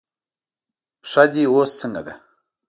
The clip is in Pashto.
پښه دې اوس څنګه ده؟